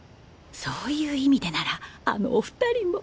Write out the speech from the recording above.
そういう意味でならあのお２人も。